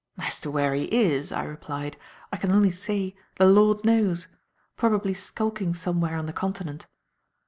"As to where he is," I replied. "I can only say, the Lord knows; probably skulking somewhere on the Continent.